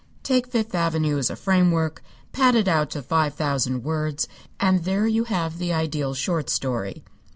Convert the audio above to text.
Take Fifth Avenue as a framework, pad it out to five thousand words, and there you have the ideal short story.